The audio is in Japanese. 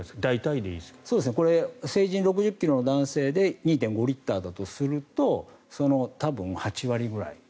成人６０ｋｇの男性で２．５リットルだとすると多分、その８割ぐらい。